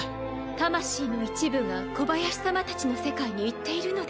魂の一部が小林様たちの世界に行っているのでは？